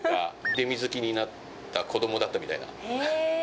デミ好きになった子どもだったみたいな。